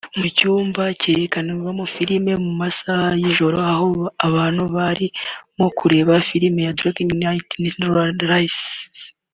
Mu cyumba cyerekanirwamo filime mu masaha y’ijoro aho abantu bari mo kureba film ya Dark Knight Rises